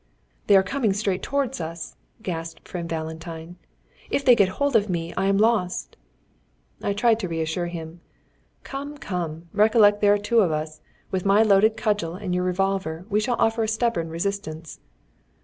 "They are coming straight towards us," gasped friend Valentine. "If they get hold of me, I am lost." I tried to reassure him: "Come, come! recollect there are two of us; with my loaded cudgel and your revolver we shall offer a stubborn resistance."